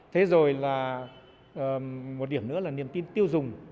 thế rồi là một điểm nữa là niềm tin tiêu dùng